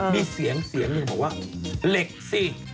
มีเสียงบอกว่าเหล็กสิ